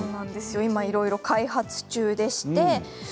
今、いろいろ開発中です。